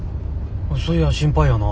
そいや心配やな。